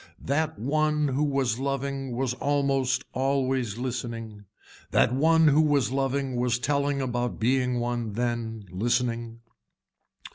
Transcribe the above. That one who was loving was almost always listening. That one who was loving was telling about being one then listening.